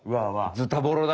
ズタボロだ。